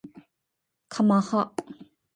かまは